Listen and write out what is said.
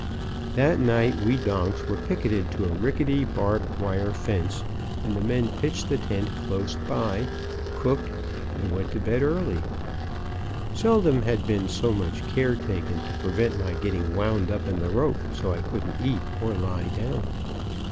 That night we donks were picketed to a rickety, barbed wire fence, and the men pitched the tent close by, cooked, and went to bed early. Seldom had been so much care taken to prevent my getting wound up in the rope so I couldn't eat or lie down.